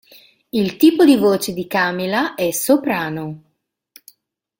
Il tipo di voce di Camila è soprano.